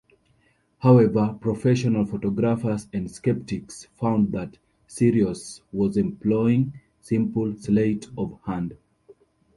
However, professional photographers and skeptics found that Serios was employing simple sleight of hand.